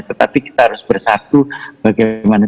tetapi kita harus bersatu bagaimana